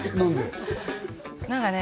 何かね